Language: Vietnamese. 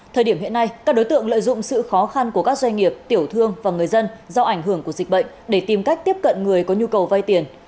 thời điểm hiện nay các đối tượng lợi dụng sự khó khăn của các doanh nghiệp tiểu thương và người dân do ảnh hưởng của dịch bệnh để tìm cách tiếp cận người có nhu cầu vay tiền